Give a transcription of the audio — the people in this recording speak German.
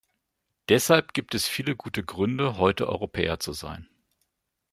Deshalb gibt es viele gute Gründe, heute Europäer zu sein.